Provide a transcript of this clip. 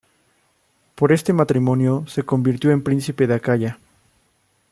Por este matrimonio, se convirtió en príncipe de Acaya.